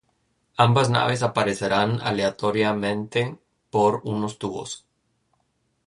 Ambas naves aparecerán aleatoriamente por unos tubos.